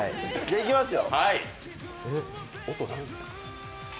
いきますよ